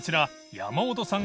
山本さん）